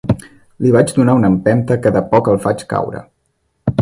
Li vaig donar una empenta, que de poc el faig caure!